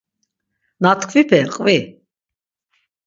Na tkvipe qvi.